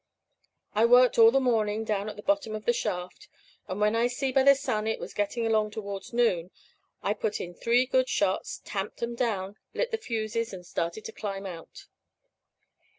"I worked all the morning down at the bottom of the shaft, and when I see by the sun it was getting along towards noon, I put in three good shots, tamped 'em down, lit the fuses, and started to climb out.